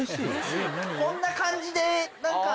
こんな感じで何か。